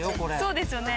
そうですよね。